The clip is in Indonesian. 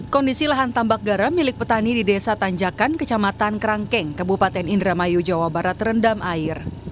kondisi lahan tambak garam milik petani di desa tanjakan kecamatan kerangkeng kabupaten indramayu jawa barat terendam air